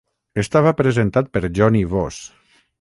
Estava presentat per Jonny Voss.